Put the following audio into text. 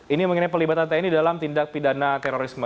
ini mengenai pelibatan tni dalam tindak pidana terorisme